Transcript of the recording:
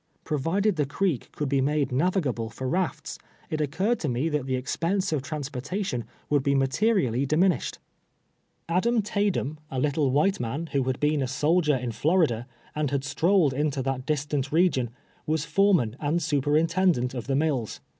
Provided the creek could be made navigable for rafts, it occurred to me that the expense of trans portation would be nuiterially diminished. ADAM TAYDEM. 99 Adam Taydom, a little wliite man, wlioliad been a soldier in Florida, and had strolled into that distant region, was foreman and snperintendent of the mills.